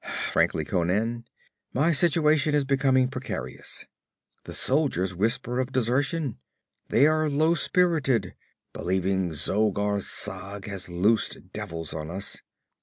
Frankly, Conan, my situation is becoming precarious. The soldiers whisper of desertion; they are low spirited, believing Zogar Sag has loosed devils on us.